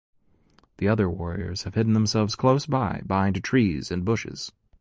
The other warriors have hidden themselves close by behind trees and bushes.